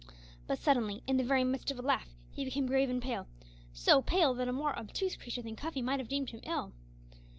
But suddenly, in the very midst of a laugh, he became grave and pale, so pale, that a more obtuse creature than Cuffy might have deemed him ill.